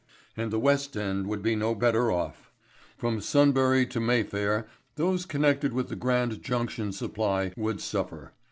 And the West End would be no better off. From Sunbury to Mayfair those connected with the Grand Junction supply would suffer.